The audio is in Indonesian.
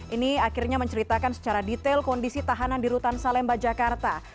ini akhirnya menceritakan secara detail kondisi tahanan di rutan salemba jakarta